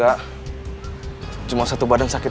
oke saya kesana